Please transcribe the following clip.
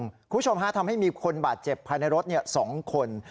คุณผู้ชมฮะทำให้มีคนบาดเจ็บภายในรถ๒คน